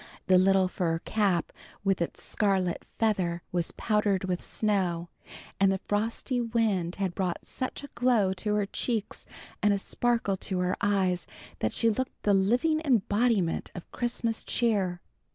The little fur cap with its scarlet feather was powdered with snow, and the frosty wind had brought such a glow to her cheeks and a sparkle in her eyes that she looked the living embodiment of Christmas cheer.